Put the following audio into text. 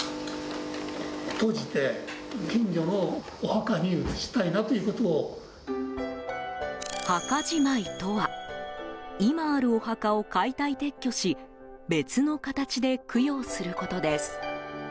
墓じまいとは今あるお墓を解体撤去し別の形で供養することです。